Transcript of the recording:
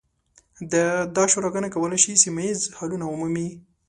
دا شوراګانې کولی شي سیمه ییز حلونه ومومي.